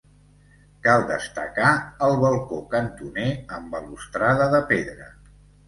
Cal destacar el balcó cantoner amb balustrada de pedra.